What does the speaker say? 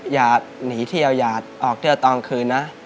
อย่าหนีเที่ยวอย่าออกเที่ยวตอนคืนนะ